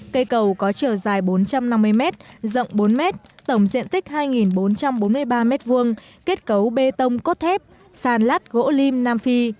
cây cầu có chiều dài bốn trăm năm mươi mét rộng bốn mét tổng diện tích hai bốn trăm bốn mươi ba mét vuông kết cấu bê tông cốt thép sàn lát gỗ liêm nam phi